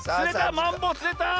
マンボウつれた！